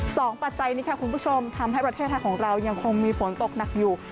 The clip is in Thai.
ปัจจัยนี้ค่ะคุณผู้ชมทำให้ประเทศไทยของเรายังคงมีฝนตกหนักอยู่